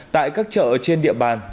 tại các chợ trên địa bàn